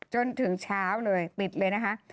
จนถึงเช้าเลยปิดเลยนะคะ